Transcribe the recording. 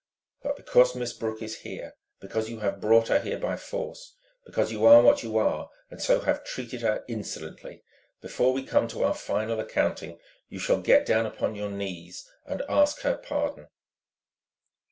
But because Miss Brooke is here, because you have brought her here by force, because you are what you are and so have treated her insolently ... before we come to our final accounting, you shall get down upon your knees and ask her pardon."